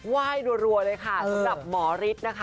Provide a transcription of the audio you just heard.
ไหว้รัวเลยค่ะสำหรับหมอฤทธิ์นะคะ